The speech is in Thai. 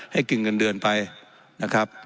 กินเงินเดือนไปนะครับ